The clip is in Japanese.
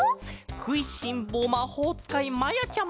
「くいしんぼうまほうつかいまやちゃま」